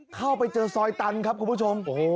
เข้าไปเจอซอยตันครับคุณผู้ชม